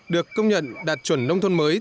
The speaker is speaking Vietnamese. được công nhận đạt chuẩn nông thôn mới